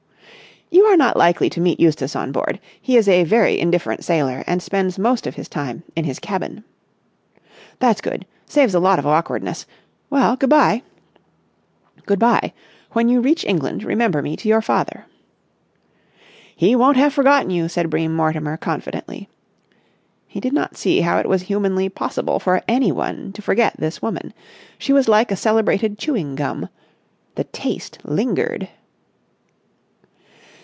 "You are not likely to meet Eustace on board. He is a very indifferent sailor and spends most of his time in his cabin." "That's good! Saves a lot of awkwardness. Well, good bye." "Good bye. When you reach England, remember me to your father." "He won't have forgotten you," said Bream Mortimer, confidently. He did not see how it was humanly possible for anyone to forget this woman. She was like a celebrated chewing gum. The taste lingered.